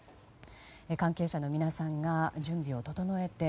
関係者の皆さんが準備を整えて。